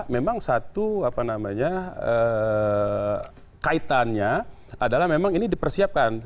memang satu kaitannya adalah memang ini dipersiapkan